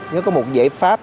nó có một giải pháp